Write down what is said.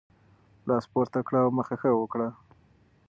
لاس پورته کړه او مخه ښه وکړه.